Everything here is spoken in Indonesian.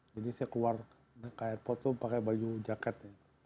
jadi saya keluar ke airport itu pakai baju jaket